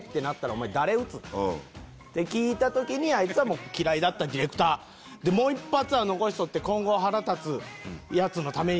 「お前誰撃つ？」って聞いた時にアイツはもう嫌いだったディレクター「もう一発は残しとって今後腹立つヤツのために」